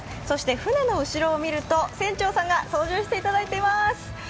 そして船の後ろを見ると、船長さんが操縦していただいています。